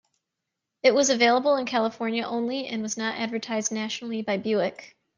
It was available in California only and was not advertised nationally by Buick.